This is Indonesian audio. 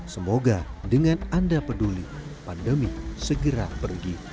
semoga dengan anda peduli pandemi segera pergi